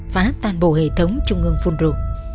phá toàn bộ hệ thống trung ương funro